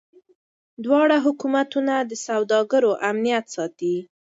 دواړه حکومتونه د سوداګرو امنیت ساتي.